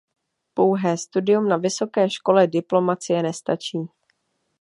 Pouhé studium na vysoké škole diplomacie nestačí.